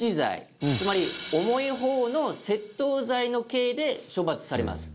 つまり重い方の窃盗罪の刑で処罰されます。